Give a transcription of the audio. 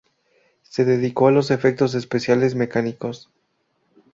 Se dedica a los efectos especiales mecánicos.